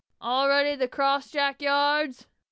"All ready the cross jack yards?"